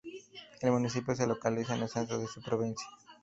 El municipio se localiza en el centro de su provincia.